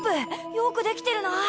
よくできてるなあ。